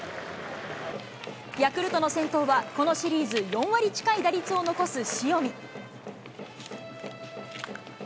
ヤクルトの先頭は、このシリーズ４割近い打率を残す塩見。